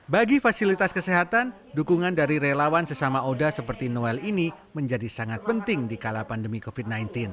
bagi fasilitas kesehatan dukungan dari relawan sesama oda seperti noel ini menjadi sangat penting di kala pandemi covid sembilan belas